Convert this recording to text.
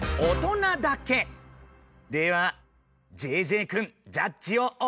ではＪＪくんジャッジをお願いします。